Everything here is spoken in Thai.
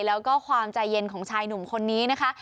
แล้วก็ความใจเย็นของชายหนุ่มคนนี้นะคะ